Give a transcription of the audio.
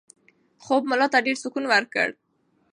خوب ملا ته ډېر سکون ورکړ.